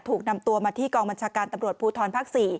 ถูกนำตัวมาที่กองบัญชาการตำรวจภูทรภาค๔